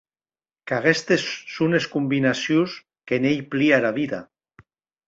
Qu’aguestes son es combinacions que n’ei plia era vida.